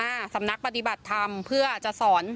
สำนักปฏิบัติธรรมเพื่อจะสอน